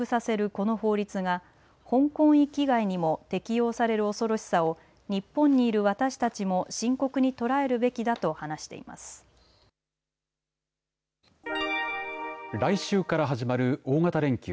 この法律が香港域外にも適用される恐ろしさを日本にいる私たちも深刻に捉えるべきだと来週から始まる大型連休。